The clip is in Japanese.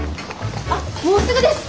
あっもうすぐです！